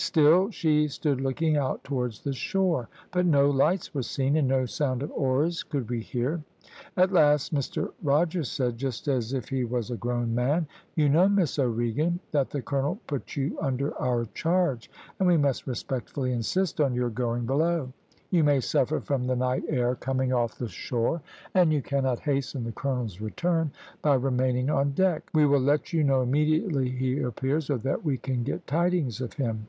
Still she stood looking out towards the shore; but no lights were seen, and no sound of oars could we hear. At last Mr Rogers said, just as if he was a grown man, `You know, Miss O'Regan, that the colonel put you under our charge, and we must respectfully insist on your going below. You may suffer from the night air coming off the shore, and you cannot hasten the colonel's return by remaining on deck. We will let you know immediately he appears or that we can get tidings of him.'